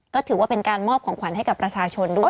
ก็ถือว่าเป็นการมอบของขวัญให้กับประชาชนด้วย